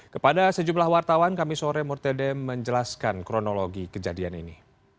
kepada sejumlah wartawan kami sore murtede menjelaskan kronologi kejadian ini